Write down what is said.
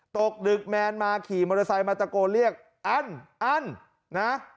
ตกดึกแมนมาขี่มอเตอร์ไซค์มาตะโกนเรียกอันอันนะ